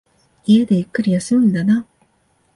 家でゆっくり休むんだな。